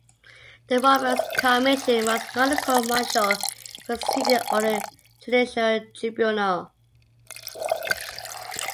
The Roberts Commission was not a court martial proceeding or a judicial tribunal.